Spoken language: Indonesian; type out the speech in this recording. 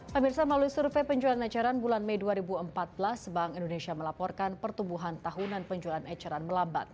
pemirsa melalui survei penjualan eceran bulan mei dua ribu empat belas bank indonesia melaporkan pertumbuhan tahunan penjualan eceran melambat